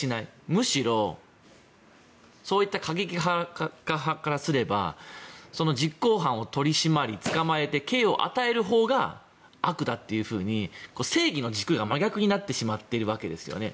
むしろそういった過激派からすれば実行犯を取り締まり捕まえて刑を与えるほうが悪だというふうに正義の軸が真逆になってしまっているわけですよね。